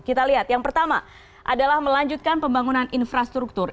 kita lihat yang pertama adalah melanjutkan pembangunan infrastruktur